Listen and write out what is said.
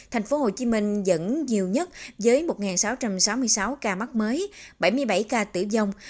tp hcm dẫn nhiều nhất với một sáu trăm sáu mươi sáu ca mắc mới bảy mươi bảy ca tử dông